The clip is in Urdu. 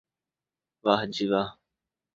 واہ جی واہ